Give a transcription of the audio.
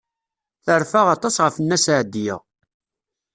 Terfa aṭas ɣef Nna Seɛdiya.